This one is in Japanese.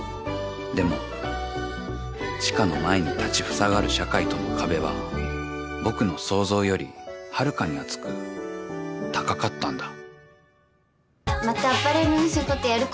［でも知花の前に立ちふさがる社会との壁は僕の想像よりはるかに厚く高かったんだ］